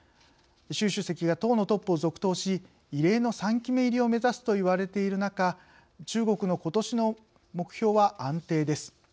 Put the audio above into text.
習主席が党のトップを続投し異例の３期目入りを目指すと言われている中中国のことしの目標は安定です。